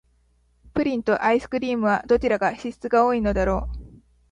プリンとアイスクリームは、どちらが脂質が多いのだろう。